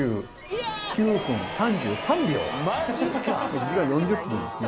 １時間４０分ですね。